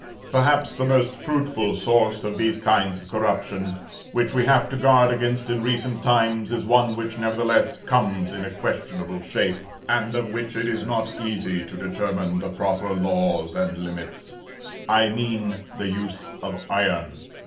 Perhaps the most fruitful source of these kinds of corruption which we have to guard against in recent times, is one which, nevertheless, comes in a "questionable shape," and of which it is not easy to determine the proper laws and limits; I mean the use of iron.